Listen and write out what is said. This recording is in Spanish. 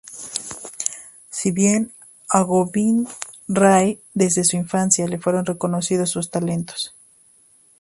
Si bien a Gobind Rai desde su infancia le fueron reconocidos sus talentos.